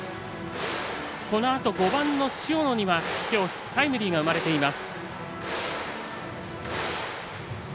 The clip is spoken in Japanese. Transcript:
このあと５番の塩野にはきょうタイムリーが生まれています。